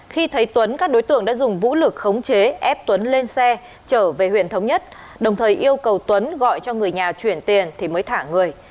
khi thấy tuấn các đối tượng đã dùng vũ lực khống chế ép tuấn lên xe trở về huyện thống nhất đồng thời yêu cầu tuấn gọi cho người nhà chuyển tiền thì mới thả người